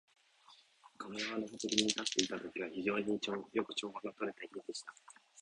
加茂川のほとりに建っていたときは、非常によく調和のとれた家でした